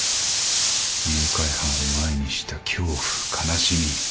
誘拐犯を前にした恐怖悲しみ。